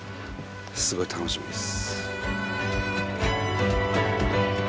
すごい楽しみです。